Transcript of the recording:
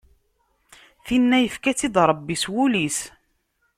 Tinna yefka-tt-id Rebbi s wul-is.